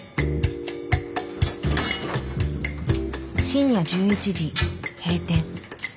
深夜１１時閉店。